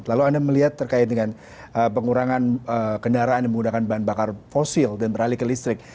lalu anda melihat terkait dengan pengurangan kendaraan yang menggunakan bahan bakar fosil dan beralih ke listrik